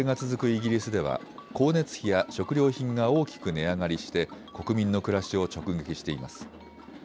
イギリスでは光熱費や食料品が大きく値上がりして国民の暮らしを直撃しています。